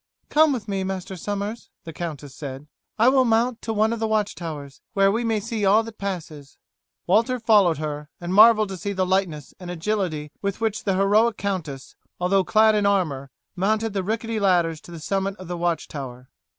"Come with me, Master Somers," the countess said. "I will mount to one of the watch towers, where we may see all that passes." Walter followed her, and marvelled to see the lightness and agility with which the heroic countess, although clad in armour, mounted the rickety ladders to the summit of the watch tower.